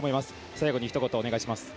最後にひと言お願いします。